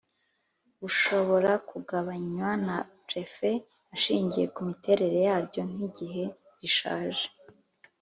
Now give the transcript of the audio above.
bushobora kugabanywa na prefe ashingiye kumiterere yaryo nk’igihe rishaje